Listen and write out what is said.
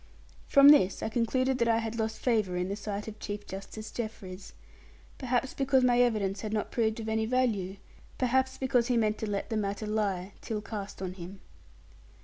From this I concluded that I had lost favour in the sight of Chief Justice Jeffreys. Perhaps because my evidence had not proved of any value! perhaps because he meant to let the matter lie, till cast on him.